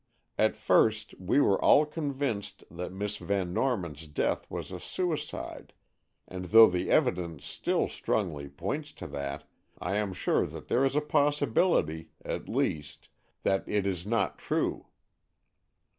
At first, we were all convinced that Miss Van Norman's death was a suicide; and though the evidence still strongly points to that, I am sure that there is a possibility, at least, that it is not true."